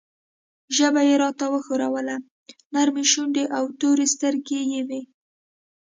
ژبه یې راته وښوروله، نرۍ شونډې او تورې سترګې یې وې.